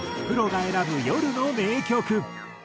プロが選ぶ夜の名曲。